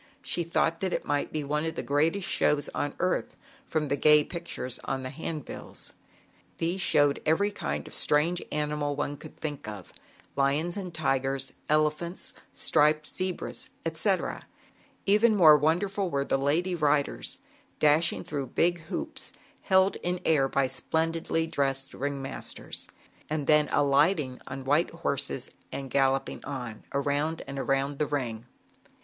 She thought that it must be one of the greatest shows on earth, from the gay pictures on the hand bills. These showed every kind of strange animal one could think of, lions and tigers, elephants, striped zebras, etc. Even more wonderful were the lady riders, dashing through big hoops held air by splendidly dressed ring masters d then alighting on white horses and galloping on, around and around the ring.